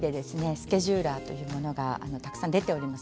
スケジューラーというものがたくさん出ております。